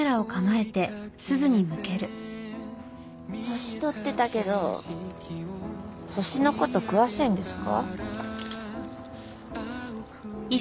星撮ってたけど星の事詳しいんですか？